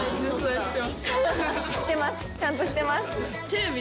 ちゃんとしてます！